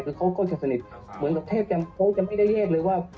แล้วเขาก็จะสนิทเหมือนแบบแทบจะเขาจำไม่ได้แยกเลยว่า